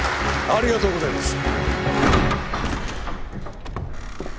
ありがとうございます。